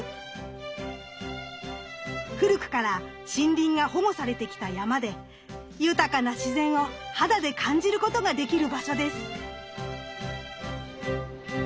古くから森林が保護されてきた山で豊かな自然を肌で感じることができる場所です。